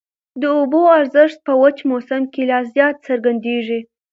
د اوبو ارزښت په وچ موسم کي لا زیات څرګندېږي.